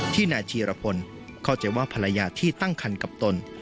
นายจีรพลเข้าใจว่าภรรยาที่ตั้งคันกับตน